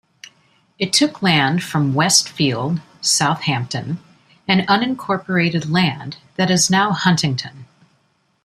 It took land from Westfield, Southampton, and unincorporated land that is now Huntington.